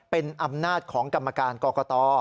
เป็นอำนาจของกรรมการกรกต